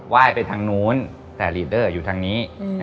ว่ายไปทางนู้นแต่ลีดเดอร์อยู่ทางนี้